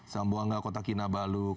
sambuanga kota kinabalu